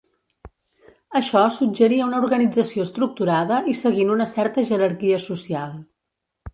Això suggeria una organització estructurada i seguint una certa jerarquia social.